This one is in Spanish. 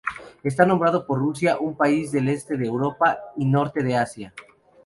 Está nombrado por Rusia, un país del este de Europa y norte de Asia.